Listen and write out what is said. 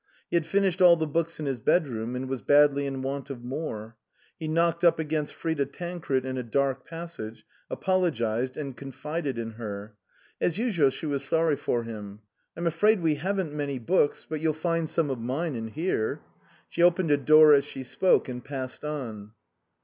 He had finished all the books in his bedroom and was badly in want of more. He knocked up against Frida Tancred in a dark passage, apolo gised, and confided in her. As usual she was sorry for him. " I'm afraid we haven't many books ; but you'll find some of mine in here." She opened a door as she spoke, and passed on.